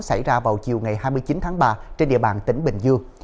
xảy ra vào chiều ngày hai mươi chín tháng ba trên địa bàn tỉnh bình dương